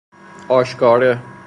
آشکاره